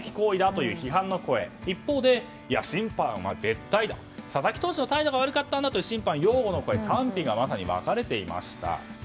一方でいや、審判は絶対だ佐々木投手の態度が悪かったんだと擁護の声賛否が分かれていました。